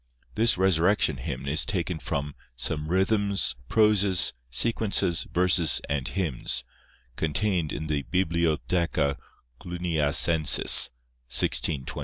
This Resurrection hymn is taken from "Some Rhythms, Proses, Sequences, Verses, and Hymns," contained in the Bibliotheca Cluniacencis, 1623.